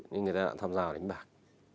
người ta đã tham gia vào đánh bạc